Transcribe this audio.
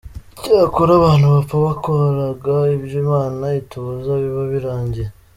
Cyokora abantu bapfa bakoraga ibyo imana itubuza, biba birangiye.